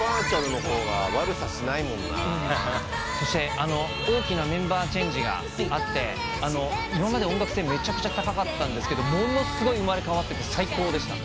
そして大きなメンバーチェンジがあって今まで音楽性めちゃくちゃ高かったんですけどものすごい生まれ変わってて最高でした。